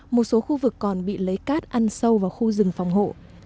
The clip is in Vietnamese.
một số khu vực còn bị lấy cát ăn sâu vào khu rừng phòng hộ